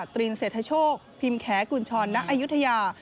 ตรีนเศรษฐโชคพิมพ์แขกุญชรณอายุทยา